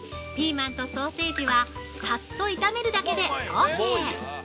ピーマンとソーセージはさっと炒めるだけでオーケー。